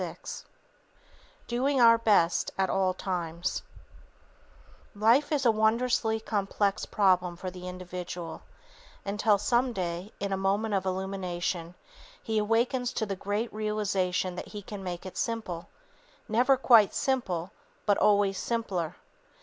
VI Doing Our Best at All Times Life is a wondrously complex problem for the individual, until, some day, in a moment of illumination, he awakens to the great realization that he can make it simple, never quite simple, but always simpler.